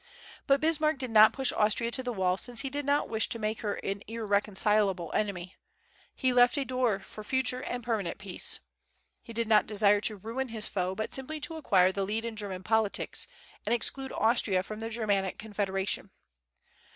But Bismarck did not push Austria to the wall, since he did not wish to make her an irreconcilable enemy. He left open a door for future and permanent peace. He did not desire to ruin his foe, but simply to acquire the lead in German politics and exclude Austria from the Germanic Confederation.